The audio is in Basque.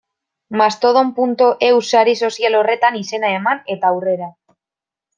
Mastodon.eus sare sozial horretan izena eman, eta aurrera.